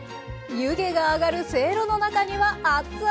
湯気が上がるせいろの中にはあっつあ